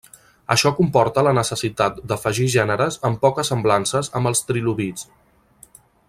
Això comportà la necessitat d'afegir gèneres amb poques semblances amb els trilobits.